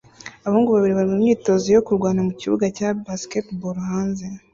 Abahungu babiri bari mu myitozo yo kurwana mu kibuga cya basketball hanze